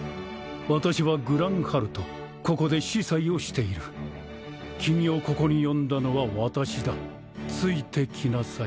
私はグランハルトここで司祭をしている君をここに呼んだのは私だついてきなさい